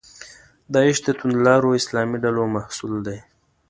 داعش د توندلارو اسلامي ډلو محصول دی.